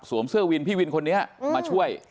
เสื้อวินพี่วินคนนี้มาช่วย